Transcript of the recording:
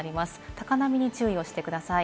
高波に注意をしてください。